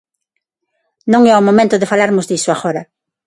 Non é o momento de falarmos diso agora.